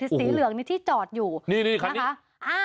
สีเหลืองนี่ที่จอดอยู่นี่ครับ